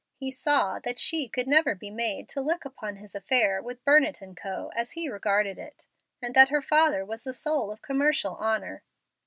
He saw that she could never be made to look upon his affair with Burnett & Co. as he regarded it, and that her father was the soul of commercial honor.